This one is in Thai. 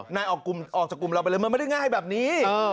นายออกจากกลุ่มเราไปเลยมันไม่ได้ง่ายแบบนี้